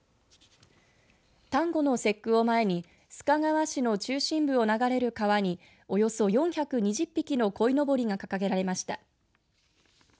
端午の節句を前に須賀川市の中心部を流れる川におよそ４２０匹のこいのぼりが掲げられました。